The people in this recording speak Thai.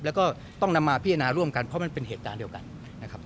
แล้วก็ต้องนำมาพิจารณาร่วมกันเพราะมันเป็นเหตุการณ์เดียวกันนะครับ